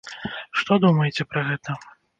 Што думаеце пра гэта?